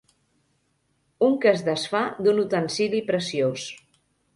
Un que es desfà d'un utensili preciós